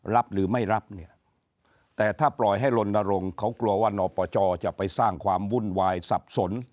รับหรือไม่รับเนี่ยแต่ถ้าปล่อยให้ลนรงค์เขากลัวว่านอปจจะไปสร้างความวุ่นวายสับสน